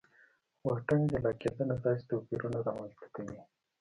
واټن جلا کېدنه داسې توپیرونه رامنځته کوي.